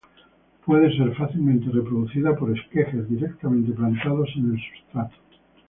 Puede ser fácilmente reproducida por esquejes directamente plantados en el sustrato.